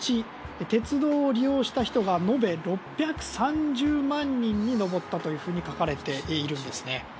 鉄道を利用した人が延べ６３０万人に上ったと書かれているんですね。